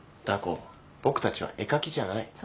ダー子僕たちは絵描きじゃない。